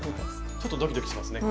ちょっとドキドキしますね。